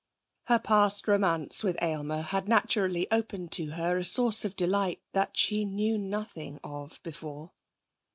Her past romance with Aylmer had naturally opened to her a source of delight that she knew nothing of before.